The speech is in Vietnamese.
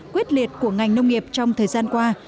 quyết liệt của ngành nông nghiệp trong thời gian qua